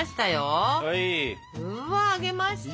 うわ揚げましたね。